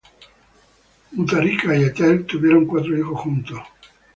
Mutharika y Ethel tuvieron cuatro hijos juntos.